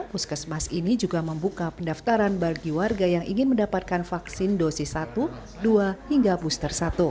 puskesmas ini juga membuka pendaftaran bagi warga yang ingin mendapatkan vaksin dosis satu dua hingga booster satu